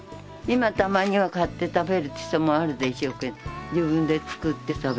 今たまには買って食べるって人もあるでしょうけど自分で作って食べてる。